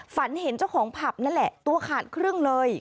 ฝันเห็นเจ้าของผับนั่นแหละตัวขาดครึ่งเลย